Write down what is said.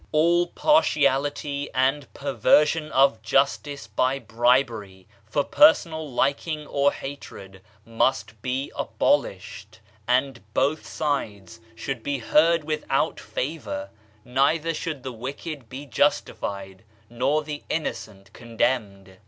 All partiality and perversion of justice by bribery, for personal liking or hatred, must be abolished, and both sides should be heard without favor; neither should the wicked be justified, nor the innocent condemned.